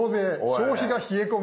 消費が冷え込む！」。